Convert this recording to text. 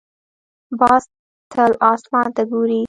باز تل اسمان ته ګوري